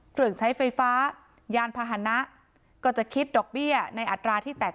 เครื่องใช้ไฟฟ้ายานพาหนะก็จะคิดดอกเบี้ยในอัตราที่แตก